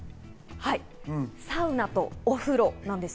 サウナとお風呂です。